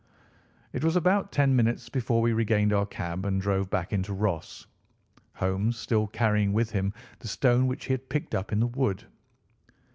It was about ten minutes before we regained our cab and drove back into Ross, Holmes still carrying with him the stone which he had picked up in the wood.